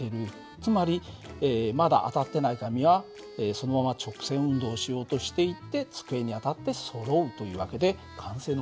つまりまだ当たってない紙はそのまま直線運動をしようとしていて机に当たってそろうという訳で慣性の法則を使ってるんだ。